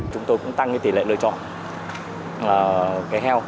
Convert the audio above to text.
chúng tôi cũng tăng cái tỷ lệ lựa chọn cái heo